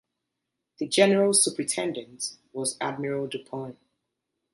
The general superintendent was Admiral Du Pont.